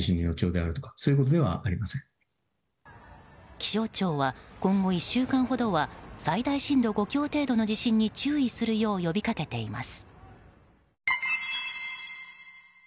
気象庁は今後１週間ほどは最大震度５強程度の地震に注意するよう呼びかけています。